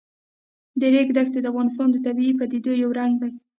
د ریګ دښتې د افغانستان د طبیعي پدیدو یو رنګ دی.